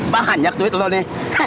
banyak duit lo nih